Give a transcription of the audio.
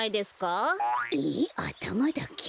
ええっあたまだけ？